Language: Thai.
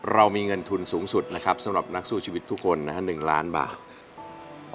เรามีเงินทุนสูงสุดนะครับสำหรับนักสู้ชีวิตทุกคนนะฮะ๑ล้านบาท